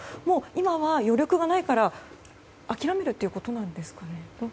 今は余力がないから諦めるということなんですかね。